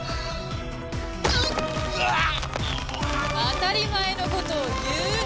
当たり前のことを言うな！